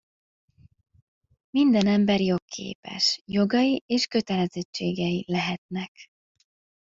Minden ember jogképes: jogai és kötelezettségei lehetnek.